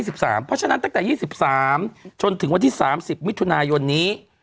เพราะฉะนั้นตั้งแต่๒๓จนถึงวันที่๓๐มิถุนายนนี้